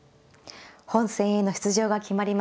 本戦への出場が決まりました。